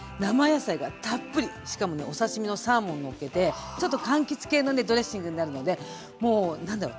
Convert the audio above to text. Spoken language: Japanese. しかもねお刺身のサーモンをのっけてちょっとかんきつ系のねドレッシングになるのでもう何だろう